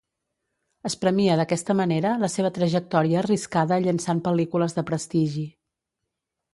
Es premia d'aquesta manera la seva trajectòria arriscada llançant pel·lícules de prestigi.